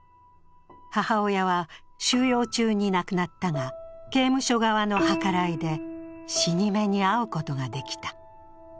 母親は収容中に亡くなったが、刑務所側のはからいで、死に目に会うことができた。